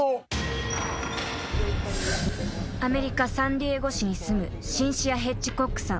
［アメリカサンディエゴ市に住むシンシア・ヘッジコックさん。